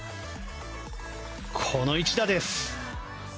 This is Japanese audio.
この１打です。